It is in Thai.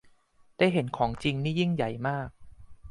ได้เห็นของจริงนี่ยิ่งใหญ่มาก